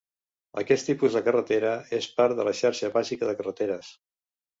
Aquest tipus de carretera és part de la xarxa bàsica de carreteres.